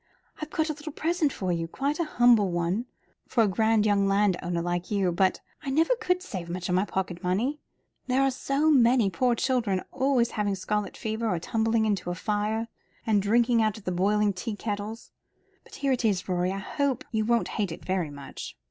"I've got a little present for you quite a humble one for a grand young land owner like you but I never could save much of my pocket money; there are so many poor children always having scarlet fever, or tumbling into the fire, or drinking out of boiling tea kettles. But here it is, Rorie. I hope you won't hate it very much."